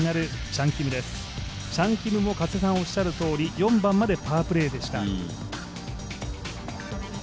チャン・キムも加瀬さんおっしゃるとおり、４番までパープレーでした。